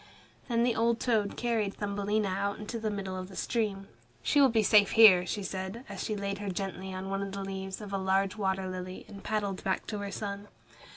Then the old toad carried Thumbelina out into the middle of the stream. "She will be safe here," she said, as she laid her gently on one of the leaves of a large water lily, and paddled back to her son.